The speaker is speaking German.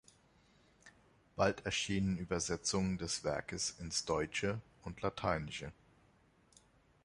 Bald erschienen Übersetzungen des Werkes ins Deutsche und Lateinische.